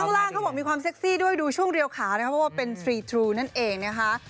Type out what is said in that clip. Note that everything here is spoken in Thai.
ข้างล่างเขาบอกมีความเซ็กซี่ด้วยดูช่วงเรียวขานะคะเพราะว่าเป็นฟรีทรูนั่นเองนะคะ